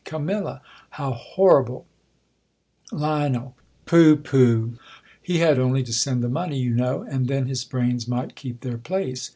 Cam. How horrible ! Lion, Poh, poh; he had only to send the money, you know, and then his brains might keep their place.